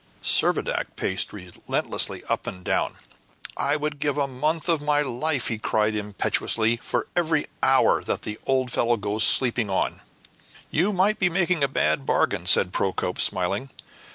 Servadac paced restlessly up and down. "I would give a month of my life," he cried, impetuously, "for every hour that the old fellow goes sleeping on." "You might be making a bad bargain," said Procope, smiling.